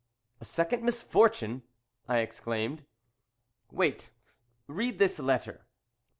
"A second misfortune!" I exclaimed. "Wait. Read this letter."